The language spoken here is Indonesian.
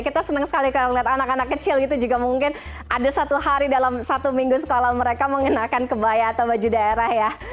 kita senang sekali kalau melihat anak anak kecil gitu juga mungkin ada satu hari dalam satu minggu sekolah mereka mengenakan kebaya atau baju daerah ya